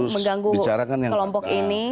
mengganggu kelompok ini